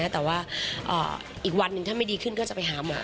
แต่ว่าอีกวันหนึ่งถ้าไม่ดีขึ้นก็จะไปหาหมอ